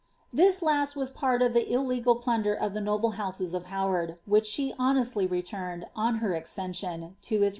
This last was part ofihe illt^rjil plunder of the noble house of Howard, which she honcsUy re turned, on hei accession, to its rightful owner.